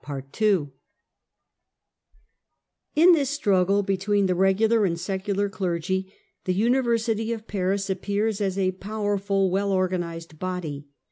The In this struggle between the regular and secular clergy, University the University of Paris appears as a powerful, well ^ystem organized body.